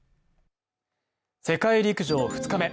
世界陸上２日目。